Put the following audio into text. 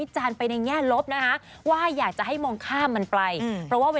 ฉันคิดว่าฉันแบบ